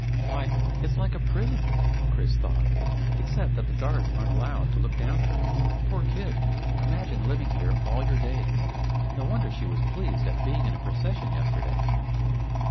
Why it's like a prison! Chris thought, except that the guards aren't allowed to look down at her. The poor kid! Imagine living here all your days! No wonder she was pleased at being in a procession yesterday!